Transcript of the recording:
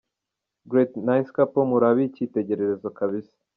Great! nice couple muri abikitegererezo kbs.